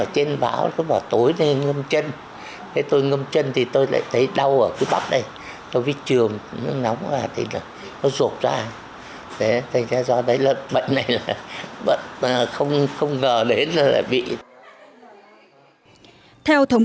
theo thống kê khoảng một mươi năm triệu đồng